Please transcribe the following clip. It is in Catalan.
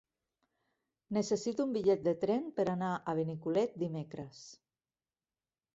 Necessito un bitllet de tren per anar a Benicolet dimecres.